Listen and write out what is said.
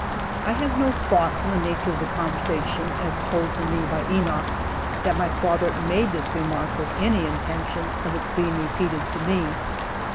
I have no thought from the nature of the conversation as told to me by Enoch that my father made this remark with any intention of its being repeated to me.